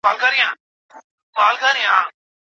موټر چلونکي غوښتل چې د ښځې سره مالي مرسته وکړي.